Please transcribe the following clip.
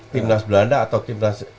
timnas belanda atau timnas